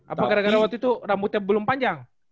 apa gara gara waktu itu rambutnya belum panjang